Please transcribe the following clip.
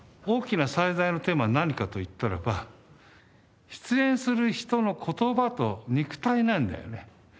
大きな最大のテーマは何かといったらば出演する人の言葉と肉体なんだよね。